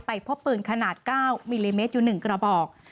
พบปืนขนาด๙มิลลิเมตรอยู่๑กระบอก